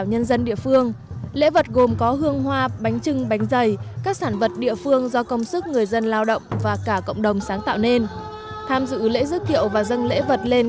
hãy đăng ký kênh để nhận thông tin nhất